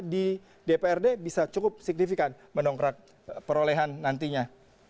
di dprd bisa cukup signifikan mendongkrak perolehan nantinya